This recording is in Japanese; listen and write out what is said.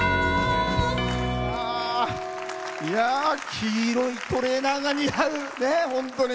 黄色いトレーナーが似合う、本当に。